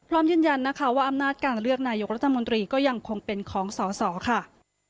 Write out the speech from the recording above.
พร้อมยืนยันนะคะว่าอำนาจการเลือกนายกรัฐมนตรีก็ยังคงเป็นของสอสอค่ะ